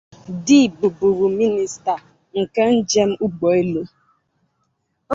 D. buburu Minista nke njem ugbo elu.